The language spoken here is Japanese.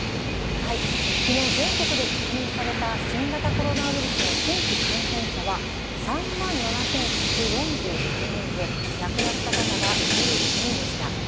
きのう、全国で確認された新型コロナウイルスの新規感染者は３万７１４３人で、亡くなった方は１５人でした。